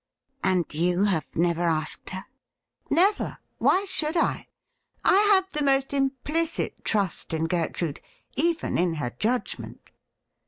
' And you have never asked her ?'' Never ; why should I ? I have the most implicit trust in Gertmde, even in her judgment.'